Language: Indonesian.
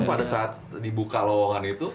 pada saat dibuka lowongan itu